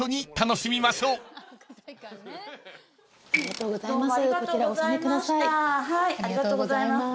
はいありがとうございます頑張ります。